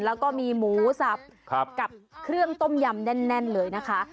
แล้วก็มีหมูสับกับเครื่องต้มยำแน่นเลยนะคะ